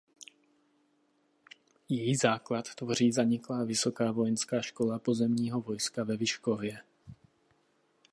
Její základ tvoří zaniklá Vysoká vojenská škola pozemního vojska ve Vyškově.